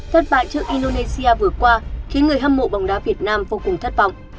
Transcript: thất bại trước indonesia vừa qua khiến người hâm mộ bóng đá việt nam vô cùng thất vọng